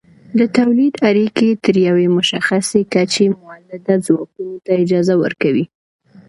د تولید اړیکې تر یوې مشخصې کچې مؤلده ځواکونو ته اجازه ورکوي.